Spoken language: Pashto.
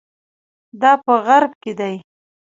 دا په غرب کې دي.